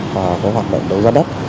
và có hoạt động đầu giá đất